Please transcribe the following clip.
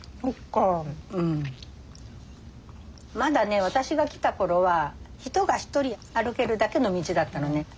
まだね私が来た頃は人が一人歩けるだけの道だったのね。